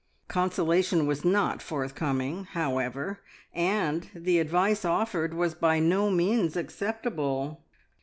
Consolation was not forthcoming, however, and the advice offered was by no means acceptable.